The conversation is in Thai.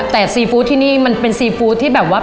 แต่ซีฟู้ดที่นี่มันเป็นซีฟู้ดที่แบบว่า